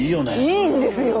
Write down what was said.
いいんですよ！